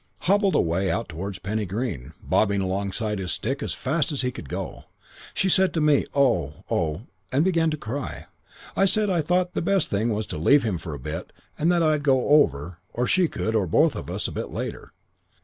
"Hobbled away out towards Penny Green, bobbing along on his stick fast as he could go. "She said to me, 'Oh, Oh ' and began to cry. I said I thought the best thing was to leave him for a bit and that I'd go over, or she could, or both of us, a bit later.